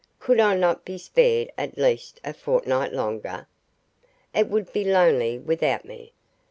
Could I not be spared at least a fortnight longer? It would be lonely without me.